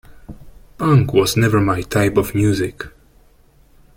Punk was never my type of music.